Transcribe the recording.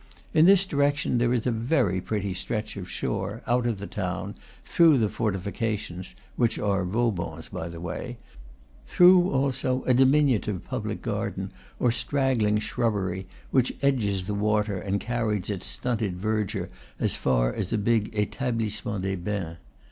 In this direction there is a very pretty stretch of shore, out of the town, through the fortifications (which are Vauban's, by the way); through, also, a diminutive public garden or straggling shrubbery, which edges the water and carries its stunted verdure as far as a big Etablissernent des Bains.